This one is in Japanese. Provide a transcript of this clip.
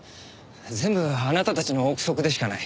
全部あなたたちの臆測でしかない。